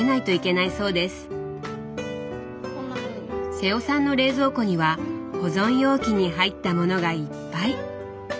瀬尾さんの冷蔵庫には保存容器に入ったものがいっぱい。